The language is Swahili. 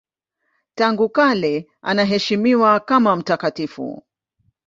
Tangu kale anaheshimiwa kama mtakatifu.